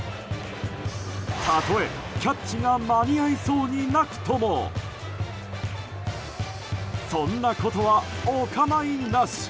たとえキャッチが間に合いそうになくともそんなことはお構いなし！